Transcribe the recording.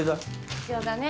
必要だね。